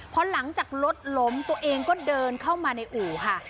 พอหลังจากรถล้มตัวเองก็เดินเข้ามาในอู่ค่ะ